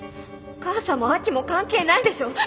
お母さんも亜紀も関係ないでしょ！